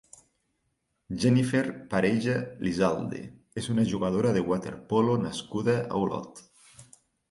Jennifer Pareja Lisalde és una jugadora de waterpolo nascuda a Olot.